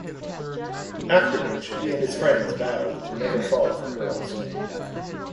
After which he and his friends vow to never fall for girls.